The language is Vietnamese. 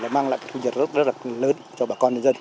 mang lại thu nhật rất lớn cho bà con